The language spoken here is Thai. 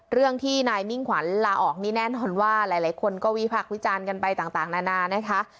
เรื่องที่นายมิ่งขวัญลาออกนี่แน่นอนว่าหลายคนก็วิพักษ์วิจารณ์กันไปต่างนานานะคะ